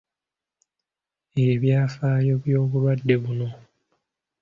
Ebyafaayo by’obulwadde buno.